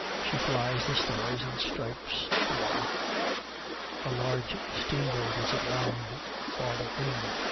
She flies the stars and stripes. Hurrah! A large steamboat is aground farther in.